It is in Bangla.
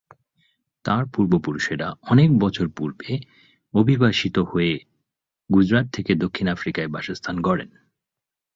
তার পূর্বপুরুষেরা অনেক বছর পূর্বে অভিবাসিত হয়ে গুজরাট থেকে দক্ষিণ আফ্রিকায় বাসস্থান গড়েন।